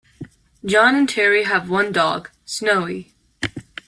John and Terry have one dog, Snowy.